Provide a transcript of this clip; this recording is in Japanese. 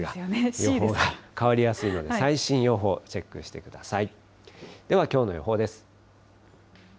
予報が変わりやすいので、最新予報、チェックしてください。